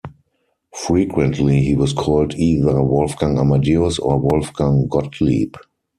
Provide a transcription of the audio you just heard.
Frequently, he was called either "Wolfgang Amadeus" or "Wolfgang Gottlieb".